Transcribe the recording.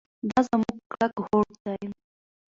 دا زموږ کلک هوډ دی.